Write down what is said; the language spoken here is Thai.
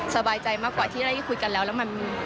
สบายใจมากกว่าที่ได้คุยกันแล้วแล้วมัน